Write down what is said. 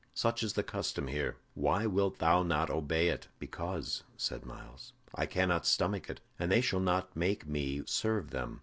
Such is the custom here. Why wilt thou not obey it?" "Because," said Myles, "I cannot stomach it, and they shall not make me serve them.